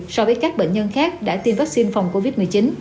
so với các bệnh nhân khác đã tiêm vaccine phòng covid một mươi chín